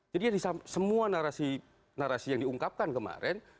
jadi semua narasi yang diungkapkan kemarin